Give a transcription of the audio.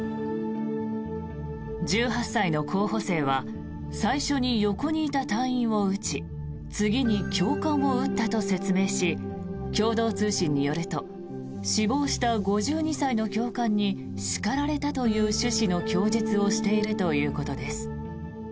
１８歳の候補生は最初に横にいた隊員を撃ち次に教官を撃ったと説明し共同通信によると死亡した５２歳の教官に叱られたという趣旨の供述をしているということです。